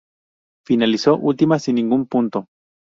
Finalizó última sin ningún punto.